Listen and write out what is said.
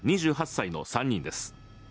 ２８歳の３人です。